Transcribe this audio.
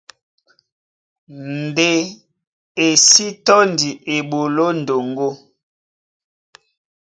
Ndé e sí tɔ́ndi eɓoló ndoŋgó.